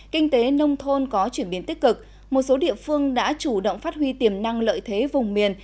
kinh tế nông thôn có chuyển biến tích cực một số địa phương đã chủ động phát huy tiềm năng lợi thế vùng miền